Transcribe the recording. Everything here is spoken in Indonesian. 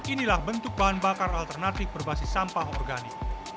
ini lah bentuk bahan bakar alternatif berbasis sampah organik